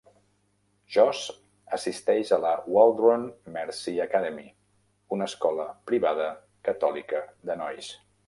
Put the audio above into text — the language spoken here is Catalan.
Josh assisteix a la Waldron Mercy Academy, una escola privada catòlica de nois.